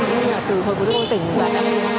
như là từ hồ chí minh quang tỉnh và